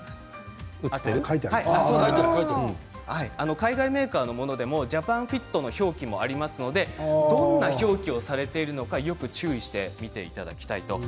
海外メーカーのものでもＪＡＰＡＮＦＩＴの表記もありますのでどんな表記をされているのかよく注意して見ていただきたいと。